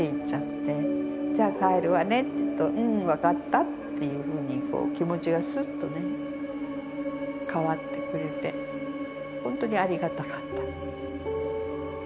「じゃあ帰るわね」って言うと「うん分かった」っていうふうに気持ちがすっとね変わってくれて本当にありがたかった。